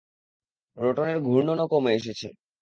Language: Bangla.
রোটরের ঘূর্ননও কমে এসেছে!